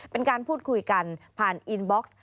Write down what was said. เป็นการพูดคุยกันผ่านอินบ็อกซ์